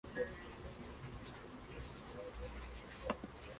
Aun así, Pop estaba decidido a reformar la banda.